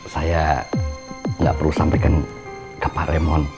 saya gak perlu sampaikan ke pak raymond